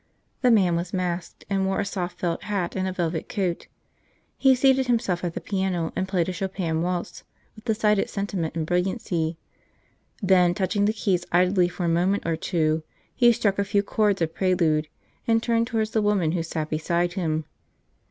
The man was masked, and wore a soft felt hat and a velvet coat. He seated himself at the piano and played a Chopin waltz with decided sentiment and brilliancy; then, touching the keys idly for a moment or two, he struck a few chords of prelude and turned towards the woman who sat beside him.